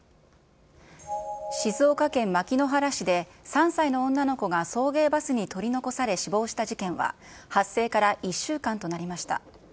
静岡県牧之原市で、３歳の女の子が送迎バスに取り残され死亡した事件は、発生から１週間となりました。